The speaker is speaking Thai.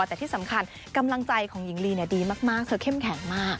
แต่ที่สำคัญกำลังใจของหญิงลีดีมากเธอเข้มแข็งมาก